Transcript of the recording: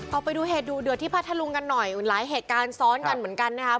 เอาไปดูเหตุดูเดือดที่พัทธลุงกันหน่อยหลายเหตุการณ์ซ้อนกันเหมือนกันนะครับ